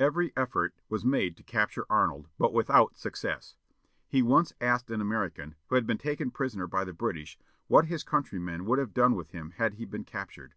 Every effort was made to capture Arnold, but without success. He once asked an American, who had been taken prisoner by the British, what his countrymen would have done with him had he been captured.